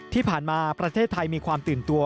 ที่ผ่านมาประเทศไทยมีความตื่นตัว